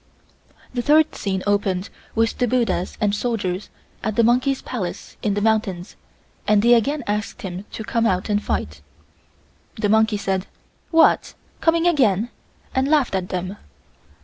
The third scene opened with the buddhas and soldiers at the monkey's place in the mountains and they again asked him to come out and fight. The monkey said: "What! Coming again?" and laughed at them.